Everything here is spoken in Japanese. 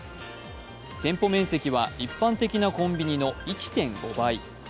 店舗面積は一般的なコンビニの１．５倍。